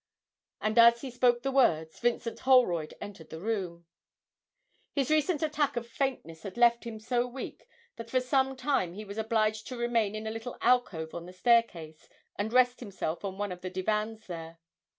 And, as he spoke the words, Vincent Holroyd entered the room. His recent attack of faintness had left him so weak that for some time he was obliged to remain in a little alcove on the staircase and rest himself on one of the divans there.